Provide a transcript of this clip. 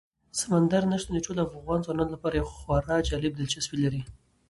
سمندر نه شتون د ټولو افغان ځوانانو لپاره یوه خورا جالب دلچسپي لري.